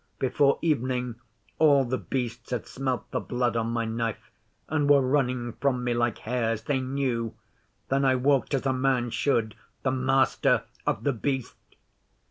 Before evening all The Beasts had smelt the blood on my knife, and were running from me like hares. They knew! Then I walked as a man should the Master of The Beast!